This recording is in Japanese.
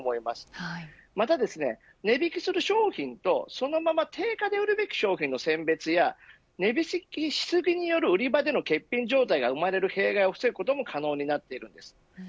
また値引きする商品とそのまま定価で売るべき商品の選別や値引きし過ぎによる売り場での欠品状態が生まれる弊害を防ぐ事も可能です。